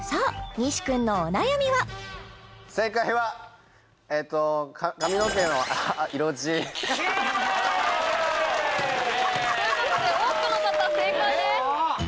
西くんのお悩みはイエーイ！ということで多くの方正解です